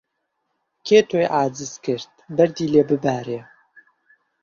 کێ تۆی عاجز کرد بەردی لێ ببارێ